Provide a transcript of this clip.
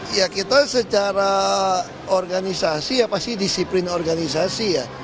ya kita secara organisasi ya pasti disiplin organisasi ya